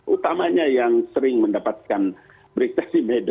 utamanya yang sering mendapatkan berita di medos medsos medsos ini